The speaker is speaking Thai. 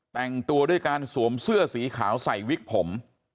แต่งตัวด้วยการสวมเสื้อสีขาวใส่วิกผม